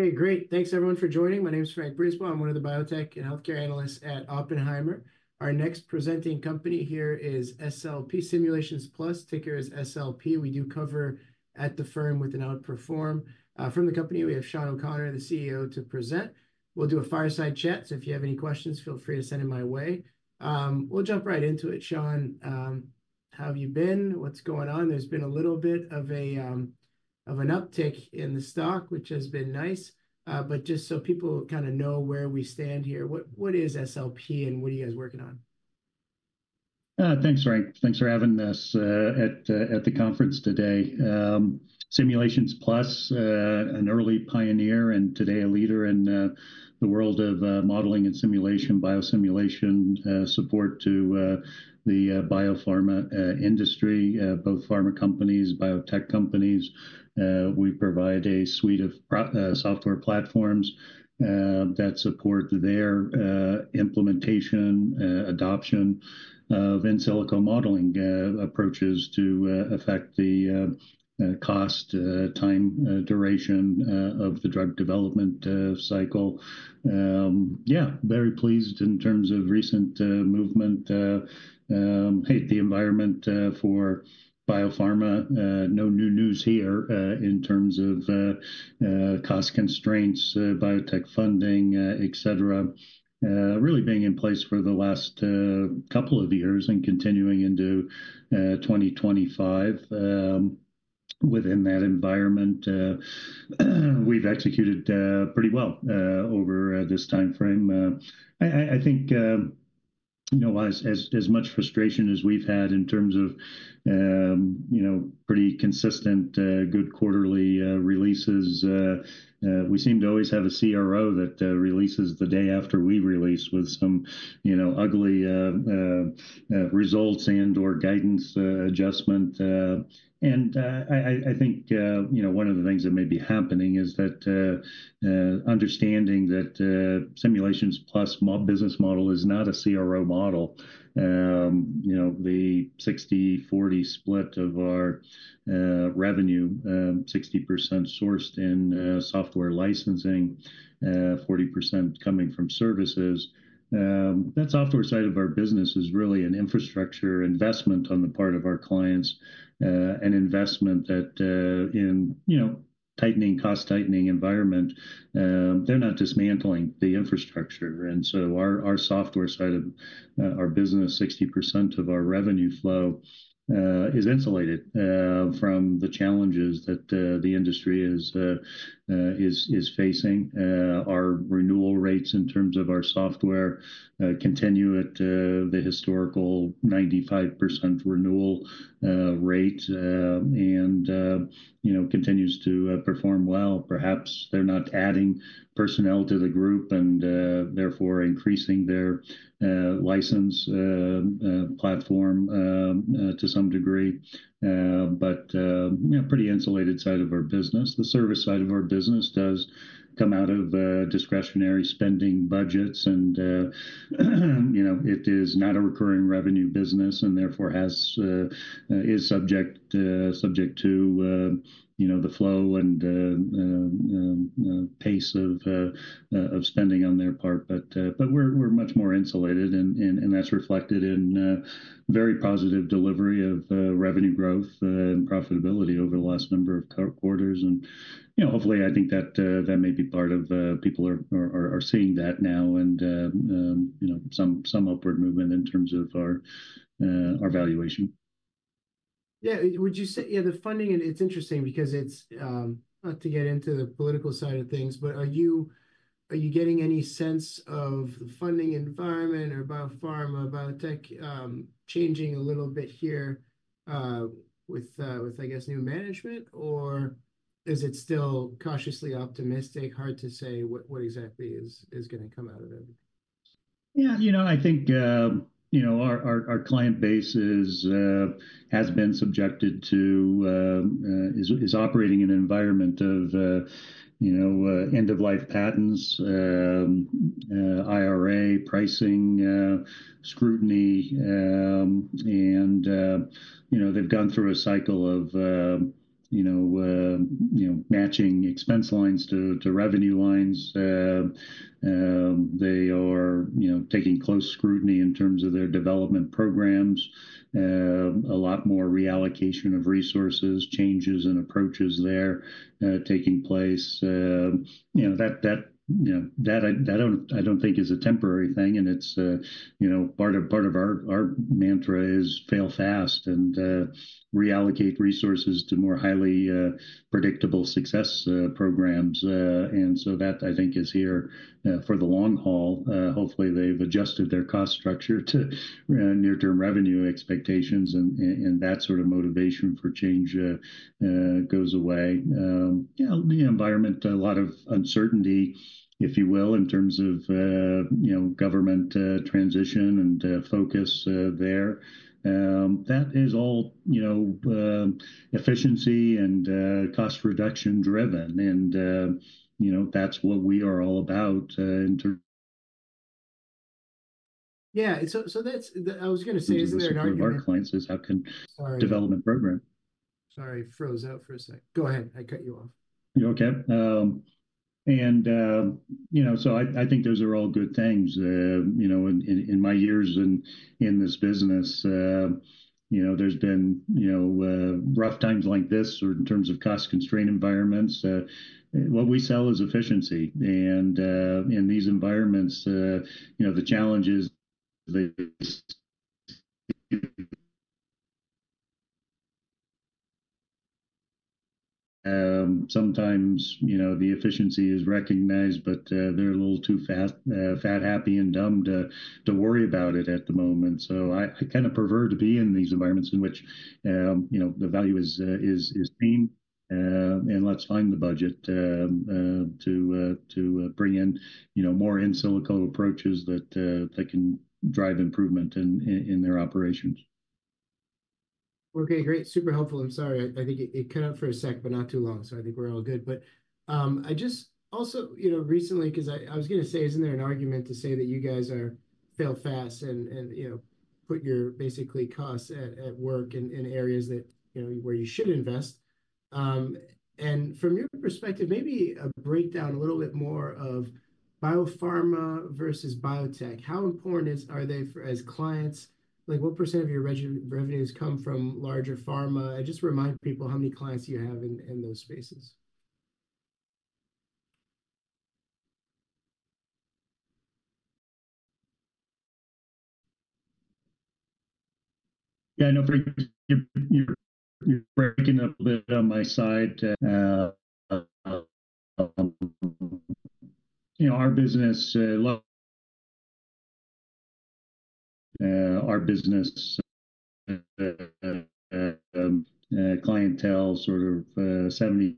Hey, great. Thanks, everyone, for joining. My name is Francois Brisebois. I'm one of the Biotech and Healthcare Analysts at Oppenheimer. Our next presenting company here is SLP Simulations Plus. Ticker is SLP. We do cover at the firm with an outperform. From the company, we have Shawn O'Connor, the CEO, to present. We'll do a fireside chat, so if you have any questions, feel free to send them my way. We'll jump right into it. Shawn, how have you been? What's going on? There's been a little bit of an uptick in the stock, which has been nice. Just so people kind of know where we stand here, what is SLP and what are you guys working on? Thanks, Frank. Thanks for having us at the conference today. Simulations Plus, an early pioneer and today a leader in the world of modeling and simulation, biosimulation support to the biopharma industry, both pharma companies, biotech companies. We provide a suite of software platforms that support their implementation, adoption of in silico modeling approaches to affect the cost, time duration of the drug development cycle. Yeah, very pleased in terms of recent movement. Hey, the environment for biopharma, no new news here in terms of cost constraints, biotech funding, et cetera. Really being in place for the last couple of years and continuing into 2025. Within that environment, we've executed pretty well over this time frame. I think, you know, as much frustration as we've had in terms of pretty consistent, good quarterly releases, we seem to always have a CRO that releases the day after we release with some ugly results and/or guidance adjustment. I think, you know, one of the things that may be happening is that understanding that Simulations Plus business model is not a CRO model. You know, the 60/40 split of our revenue, 60% sourced in software licensing, 40% coming from services. That software side of our business is really an infrastructure investment on the part of our clients, an investment that in, you know, tightening, cost tightening environment, they're not dismantling the infrastructure. Our software side of our business, 60% of our revenue flow is insulated from the challenges that the industry is facing. Our renewal rates in terms of our software continue at the historical 95% renewal rate and, you know, continues to perform well. Perhaps they're not adding personnel to the group and therefore increasing their license platform to some degree. You know, pretty insulated side of our business. The service side of our business does come out of discretionary spending budgets and, you know, it is not a recurring revenue business and therefore is subject to, you know, the flow and pace of spending on their part. We are much more insulated and that's reflected in very positive delivery of revenue growth and profitability over the last number of quarters. You know, hopefully I think that that may be part of people are seeing that now and, you know, some upward movement in terms of our valuation. Yeah, would you say, yeah, the funding, it's interesting because it's not to get into the political side of things, but are you getting any sense of the funding environment or biopharma, biotech changing a little bit here with, I guess, new management or is it still cautiously optimistic? Hard to say what exactly is going to come out of it. Yeah, you know, I think, you know, our client base has been subjected to, is operating in an environment of, you know, end-of-life patents, IRA, pricing scrutiny. You know, they've gone through a cycle of, you know, matching expense lines to revenue lines. They are, you know, taking close scrutiny in terms of their development programs, a lot more reallocation of resources, changes and approaches there taking place. You know, that, you know, that I don't think is a temporary thing. It is, you know, part of our mantra is fail fast and reallocate resources to more highly predictable success programs. That I think is here for the long haul. Hopefully they've adjusted their cost structure to near-term revenue expectations and that sort of motivation for change goes away. Yeah, the environment, a lot of uncertainty, if you will, in terms of, you know, government transition and focus there. That is all, you know, efficiency and cost reduction driven. You know, that's what we are all about. Yeah, so that's, I was going to say, isn't there an argument? Our clients is how can development program. Sorry, froze out for a sec. Go ahead. I cut you off. You're okay. You know, I think those are all good things. You know, in my years in this business, you know, there's been rough times like this or in terms of cost constraint environments. What we sell is efficiency. In these environments, you know, the challenges sometimes, you know, the efficiency is recognized, but they're a little too fat, fat happy and dumb to worry about it at the moment. I kind of prefer to be in these environments in which, you know, the value is seen and let's find the budget to bring in, you know, more in silico approaches that can drive improvement in their operations. Okay, great. Super helpful. I'm sorry. I think it cut out for a sec, but not too long. I think we're all good. I just also, you know, recently, because I was going to say, isn't there an argument to say that you guys are fail fast and, you know, put your basically costs at work in areas that, you know, where you should invest? From your perspective, maybe a breakdown a little bit more of biopharma versus biotech. How important are they as clients? Like what percent of your revenues come from larger pharma? Just remind people how many clients you have in those spaces. Yeah, I know you're breaking up a bit on my side. You know, our business, our business clientele sort of 70.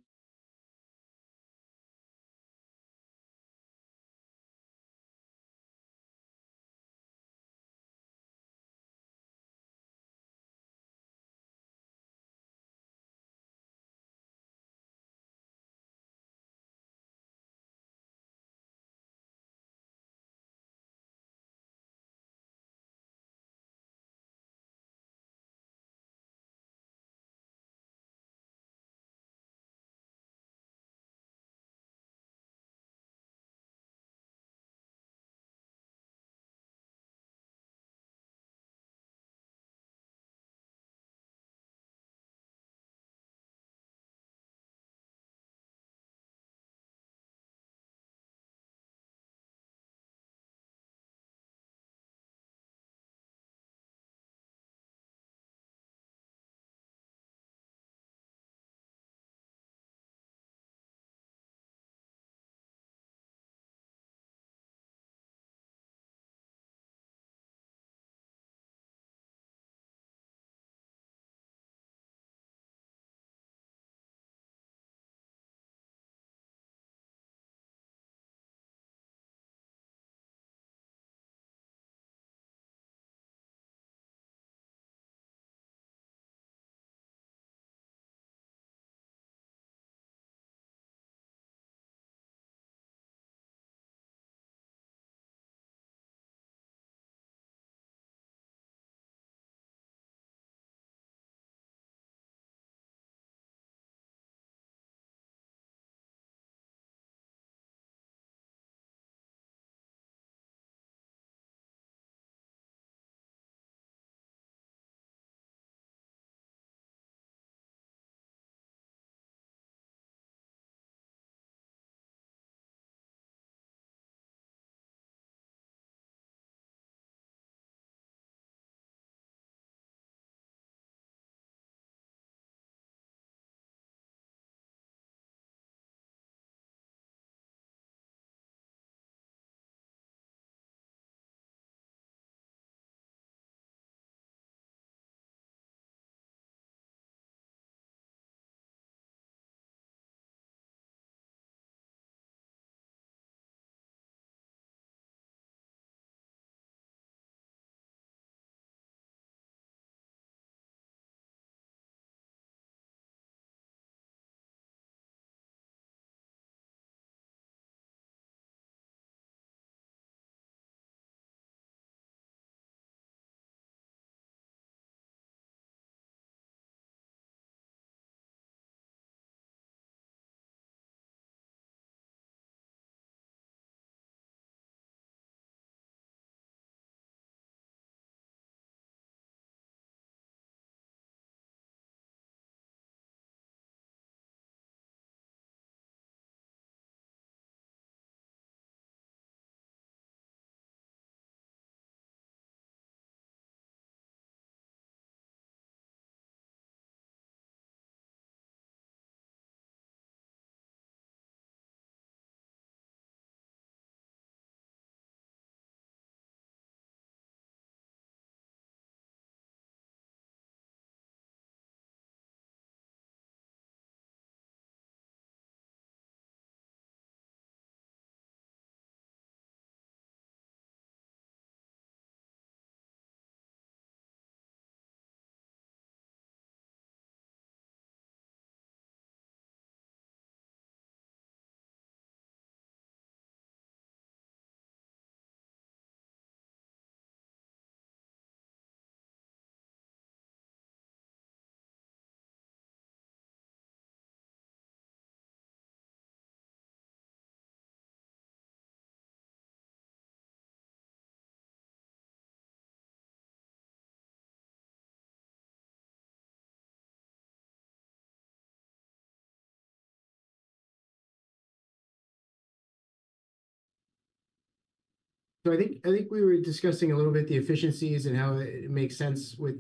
I think we were discussing a little bit the efficiencies and how it makes sense with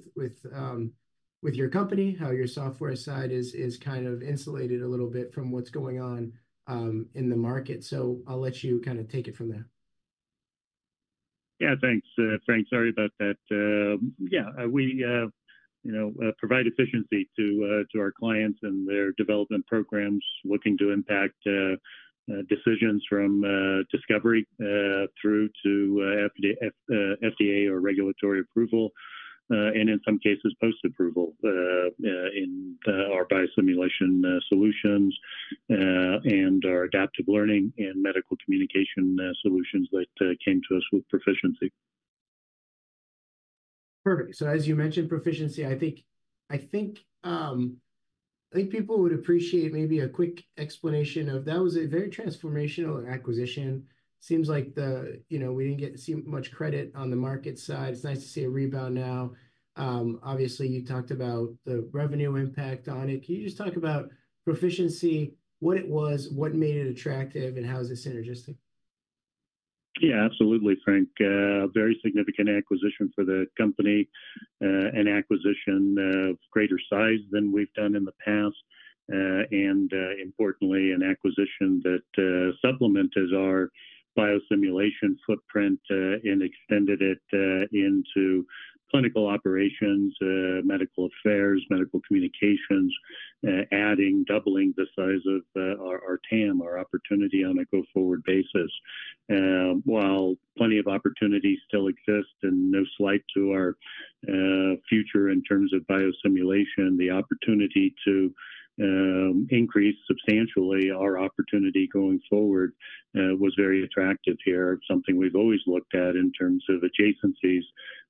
your company, how your software side is kind of insulated a little bit from what's going on in the market. I'll let you kind of take it from there. Yeah, thanks, Frank. Sorry about that. Yeah, we, you know, provide efficiency to our clients and their development programs looking to impact decisions from discovery through to FDA or regulatory approval and in some cases post-approval in our biosimulation solutions and our adaptive learning and medical communication solutions that came to us with Pro-ficiency. Perfect. As you mentioned, Pro-ficiency, I think people would appreciate maybe a quick explanation of that. It was a very transformational acquisition. Seems like, you know, we did not get much credit on the market side. It is nice to see a rebound now. Obviously, you talked about the revenue impact on it. Can you just talk about Pro-ficiency, what it was, what made it attractive, and how is it synergistic? Yeah, absolutely, Frank. Very significant acquisition for the company and acquisition of greater size than we've done in the past. Importantly, an acquisition that supplemented our biosimulation footprint and extended it into clinical operations, medical affairs, medical communications, adding, doubling the size of our TAM, our opportunity on a go-forward basis. While plenty of opportunities still exist and no slight to our future in terms of biosimulation, the opportunity to increase substantially our opportunity going forward was very attractive here. Something we've always looked at in terms of adjacencies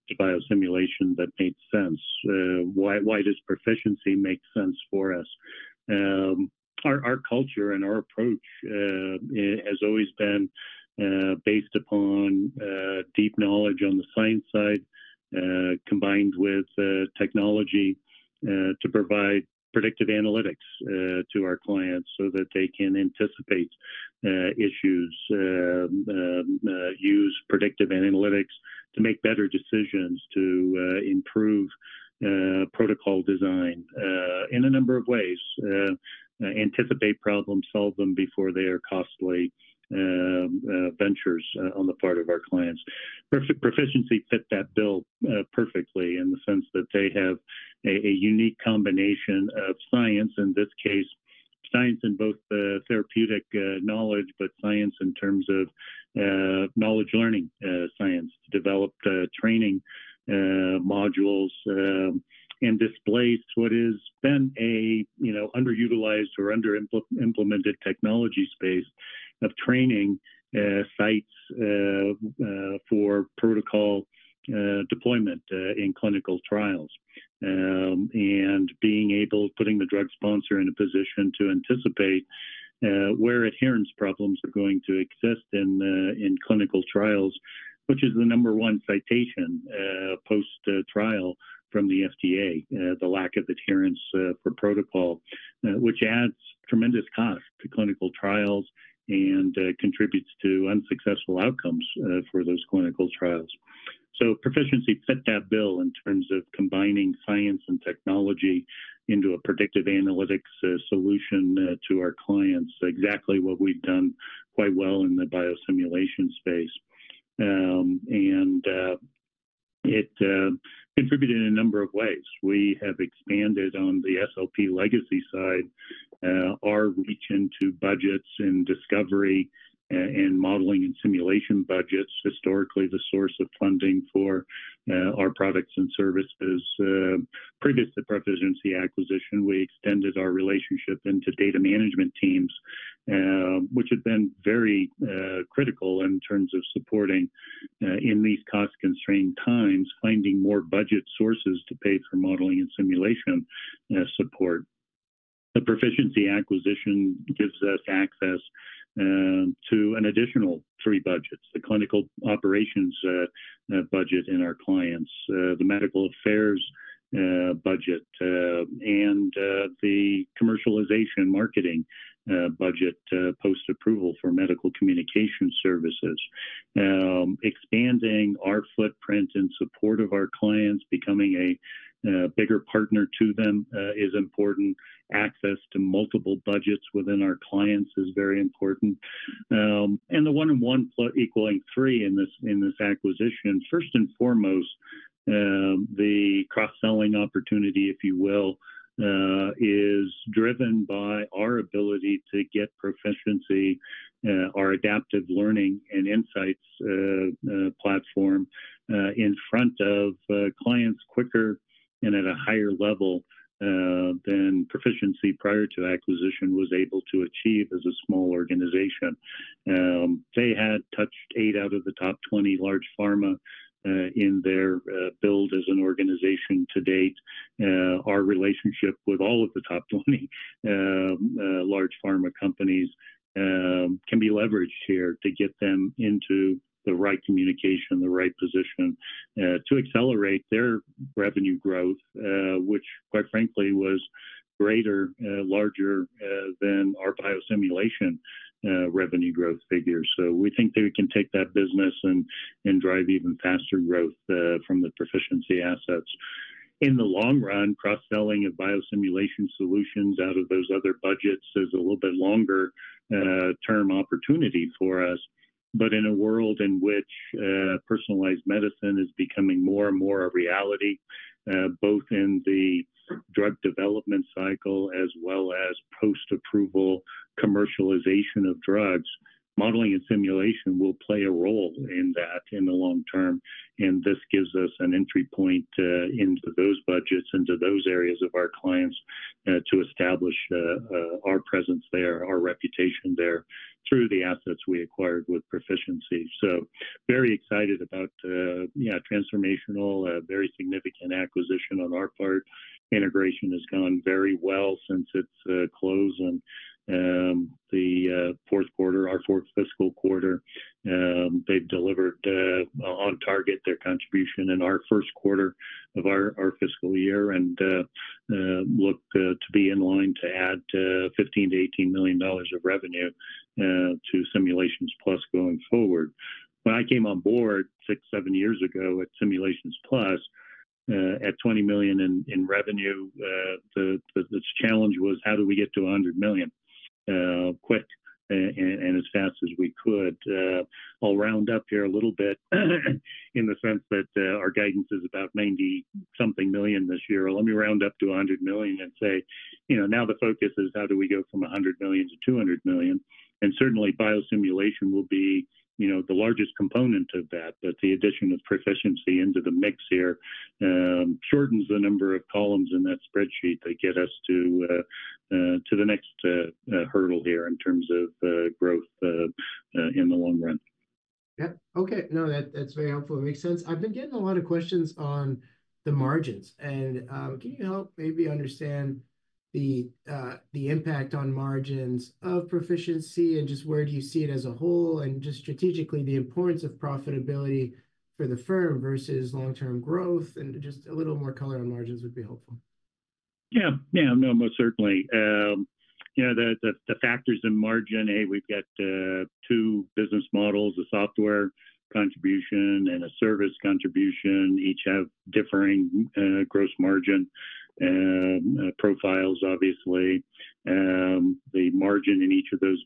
to biosimulation that made sense. Why does Proficiency make sense for us? Our culture and our approach has always been based upon deep knowledge on the science side combined with technology to provide predictive analytics to our clients so that they can anticipate issues, use predictive analytics to make better decisions, to improve protocol design in a number of ways, anticipate problems, solve them before they are costly ventures on the part of our clients. Proficiency fit that bill perfectly in the sense that they have a unique combination of science, in this case, science in both therapeutic knowledge, but science in terms of knowledge learning science, developed training modules and displays what has been a, you know, underutilized or under-implemented technology space of training sites for protocol deployment in clinical trials. Being able, putting the drug sponsor in a position to anticipate where adherence problems are going to exist in clinical trials, which is the number one citation post-trial from the FDA, the lack of adherence for protocol, which adds tremendous cost to clinical trials and contributes to unsuccessful outcomes for those clinical trials. Proficiency fit that bill in terms of combining science and technology into a predictive analytics solution to our clients, exactly what we've done quite well in the biosimulation space. It contributed in a number of ways. We have expanded on the SLP legacy side, our reach into budgets and discovery and modeling and simulation budgets, historically the source of funding for our products and services. Previous to Proficiency acquisition, we extended our relationship into data management teams, which had been very critical in terms of supporting in these cost-constrained times, finding more budget sources to pay for modeling and simulation support. The Proficiency acquisition gives us access to an additional three budgets: the clinical operations budget in our clients, the medical affairs budget, and the commercialization marketing budget post-approval for medical communication services. Expanding our footprint in support of our clients, becoming a bigger partner to them is important. Access to multiple budgets within our clients is very important. The one and one equaling three in this acquisition, first and foremost, the cross-selling opportunity, if you will, is driven by our ability to get Proficiency, our adaptive learning and insights platform, in front of clients quicker and at a higher level than Proficiency prior to acquisition was able to achieve as a small organization. They had touched eight out of the top 20 large pharma in their build as an organization to date. Our relationship with all of the top 20 large pharma companies can be leveraged here to get them into the right communication, the right position to accelerate their revenue growth, which quite frankly was greater, larger than our biosimulation revenue growth figures. We think they can take that business and drive even faster growth from the Proficiency assets. In the long run, cross-selling of biosimulation solutions out of those other budgets is a little bit longer-term opportunity for us. In a world in which personalized medicine is becoming more and more a reality, both in the drug development cycle as well as post-approval commercialization of drugs, modeling and simulation will play a role in that in the long term. This gives us an entry point into those budgets, into those areas of our clients to establish our presence there, our reputation there through the assets we acquired with Proficiency. Very excited about, yeah, transformational, very significant acquisition on our part. Integration has gone very well since its close in the fourth quarter, our fourth fiscal quarter. They have delivered on target their contribution in our first quarter of our fiscal year and look to be in line to add $15-$18 million of revenue to Simulations Plus going forward. When I came on board six, seven years ago at Simulations Plus, at $20 million in revenue, the challenge was how do we get to $100 million quick and as fast as we could? I will round up here a little bit in the sense that our guidance is about $90-something million this year. Let me round up to $100 million and say, you know, now the focus is how do we go from $100 million to $200 million? And certainly biosimulation will be, you know, the largest component of that, but the addition of Proficiency into the mix here shortens the number of columns in that spreadsheet that get us to the next hurdle here in terms of growth in the long run. Yep. Okay. No, that's very helpful. It makes sense. I've been getting a lot of questions on the margins. Can you help maybe understand the impact on margins of Proficiency and just where do you see it as a whole and just strategically the importance of profitability for the firm versus long-term growth? Just a little more color on margins would be helpful. Yeah. Yeah. No, most certainly. You know, the factors in margin, A, we've got two business models, a software contribution and a service contribution, each have differing gross margin profiles, obviously. The margin in each of those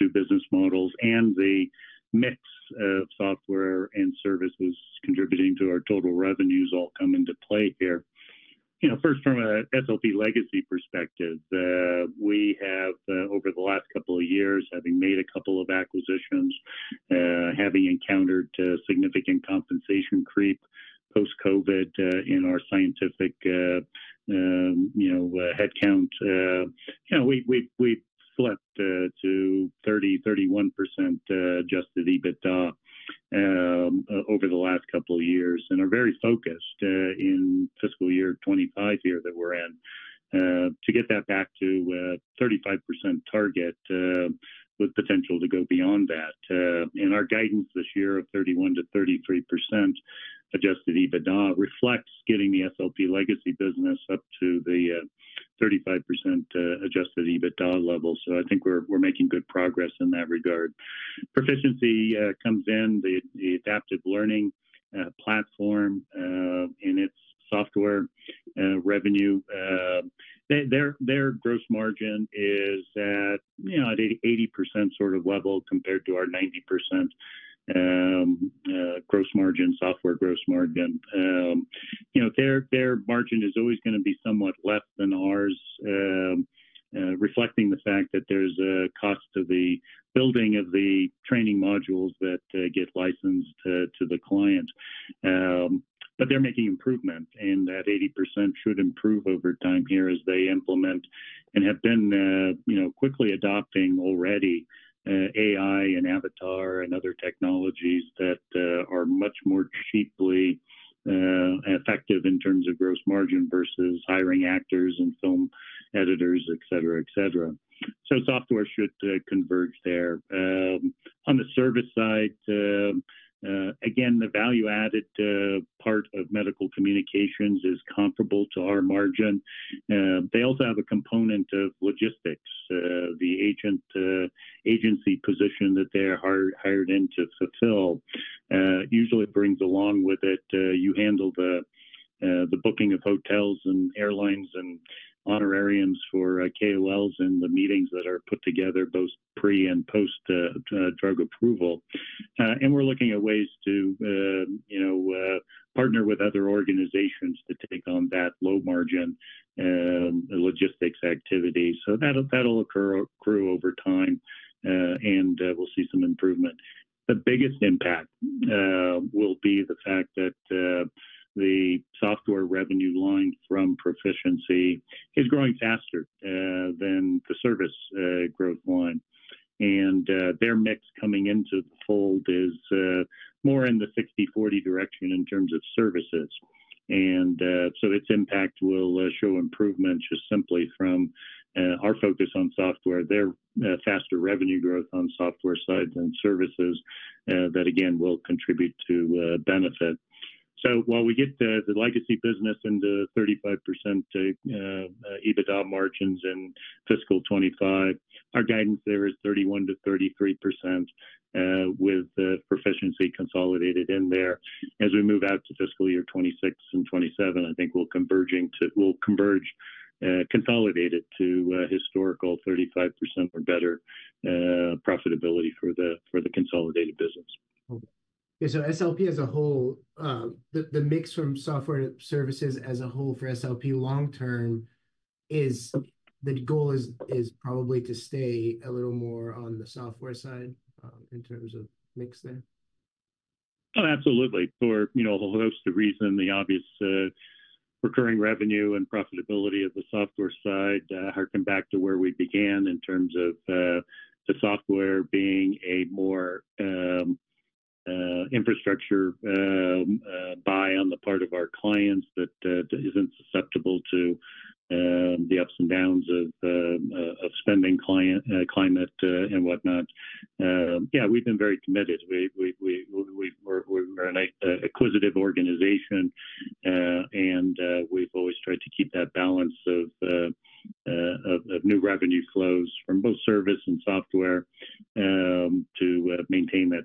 two business models and the mix of software and services contributing to our total revenues all come into play here. You know, first from an SOP legacy perspective, we have over the last couple of years, having made a couple of acquisitions, having encountered significant compensation creep post-COVID in our scientific, you know, headcount, you know, we've slipped to 30-31% adjusted EBITDA over the last couple of years and are very focused in fiscal year 2025 here that we're in to get that back to 35% target with potential to go beyond that. Our guidance this year of 31%-33% adjusted EBITDA reflects getting the SOP legacy business up to the 35% adjusted EBITDA level. I think we're making good progress in that regard. Proficiency comes in, the adaptive learning platform in its software revenue. Their gross margin is at, you know, an 80% sort of level compared to our 90% gross margin, software gross margin. You know, their margin is always going to be somewhat less than ours, reflecting the fact that there's a cost to the building of the training modules that get licensed to the client. But they're making improvement and that 80% should improve over time here as they implement and have been, you know, quickly adopting already AI and avatar and other technologies that are much more cheaply effective in terms of gross margin versus hiring actors and film editors, et cetera, et cetera. Software should converge there. On the service side, again, the value-added part of medical communications is comparable to our margin. They also have a component of logistics. The agency position that they're hired into fulfill usually brings along with it, you handle the booking of hotels and airlines and honorariums for KOLs and the meetings that are put together both pre and post-drug approval. We're looking at ways to, you know, partner with other organizations to take on that low-margin logistics activity. That'll accrue over time and we'll see some improvement. The biggest impact will be the fact that the software revenue line from Proficiency is growing faster than the service growth line. Their mix coming into the fold is more in the 60/40 direction in terms of services. Its impact will show improvement just simply from our focus on software, their faster revenue growth on the software side and services that again will contribute to benefit. While we get the legacy business into 35% EBITDA margins in fiscal 2025, our guidance there is 31%-33% with Proficiency consolidated in there. As we move out to fiscal year 2026 and 2027, I think we'll converge consolidated to historical 35% or better profitability for the consolidated business. SLP as a whole, the mix from software and services as a whole for SLP long-term, the goal is probably to stay a little more on the software side in terms of mix there? Oh, absolutely. For, you know, a whole host of reasons, the obvious recurring revenue and profitability of the software side harken back to where we began in terms of the software being a more infrastructure buy on the part of our clients that isn't susceptible to the ups and downs of spending climate and whatnot. Yeah, we've been very committed. We're an inquisitive organization and we've always tried to keep that balance of new revenue flows from both service and software to maintain that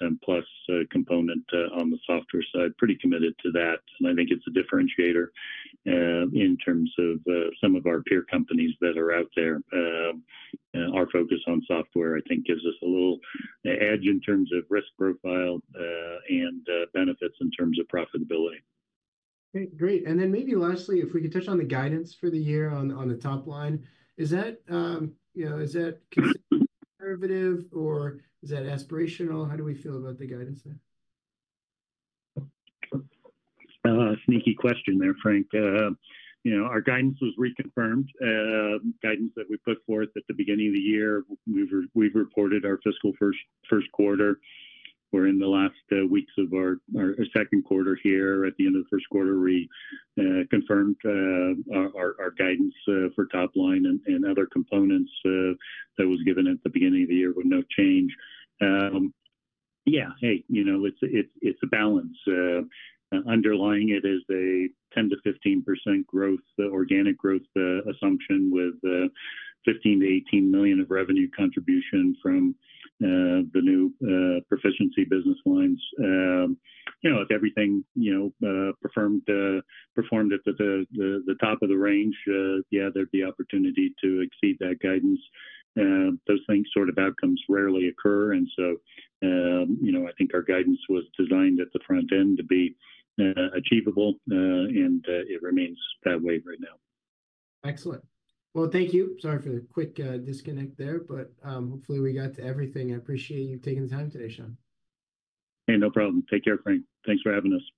60%+ component on the software side. Pretty committed to that. I think it's a differentiator in terms of some of our peer companies that are out there. Our focus on software, I think, gives us a little edge in terms of risk profile and benefits in terms of profitability. Okay. Great. Maybe lastly, if we could touch on the guidance for the year on the top line, is that, you know, is that conservative or is that aspirational? How do we feel about the guidance there? Sneaky question there, Frank. You know, our guidance was reconfirmed, guidance that we put forth at the beginning of the year. We've reported our fiscal first quarter. We're in the last weeks of our second quarter here. At the end of the first quarter, we confirmed our guidance for top line and other components that was given at the beginning of the year with no change. Yeah. Hey, you know, it's a balance. Underlying it is the 10%-15% growth, the organic growth assumption with $15 million-$18 million of revenue contribution from the new Proficiency business lines. You know, if everything, you know, performed at the top of the range, yeah, there'd be opportunity to exceed that guidance. Those things sort of outcomes rarely occur. You know, I think our guidance was designed at the front end to be achievable and it remains that way right now. Excellent. Thank you. Sorry for the quick disconnect there, but hopefully we got to everything. I appreciate you taking the time today, Shawn. Hey, no problem. Take care, Frank. Thanks for having us.